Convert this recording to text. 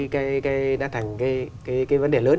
cái vấn đề lớn